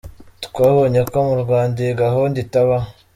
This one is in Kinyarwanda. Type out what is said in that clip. Twabonye ko mu Rwanda iyi gahunda itabaho.